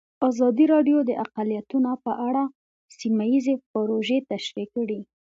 ازادي راډیو د اقلیتونه په اړه سیمه ییزې پروژې تشریح کړې.